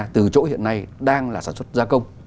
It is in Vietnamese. từ chỗ hiện nay đang là sản xuất gia công